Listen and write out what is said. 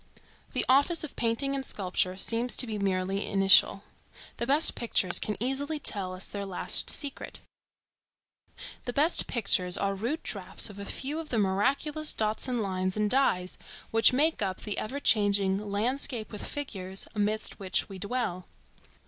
The office of painting and sculpture seems to be merely initial. The best pictures can easily tell us their last secret. The best pictures are rude draughts of a few of the miraculous dots and lines and dyes which make up the ever changing "landscape with figures" amidst which we dwell.